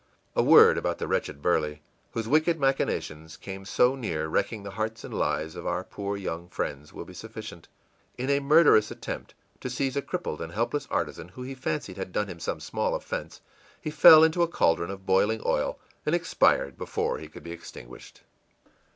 A word about the wretched Burley, whose wicked machinations came so near wrecking the hearts and lives of our poor young friends, will be sufficient. In a murderous attempt to seize a crippled and helpless artisan who he fancied had done him some small offense, he fell into a caldron of boiling oil and expired before he could be extinguished.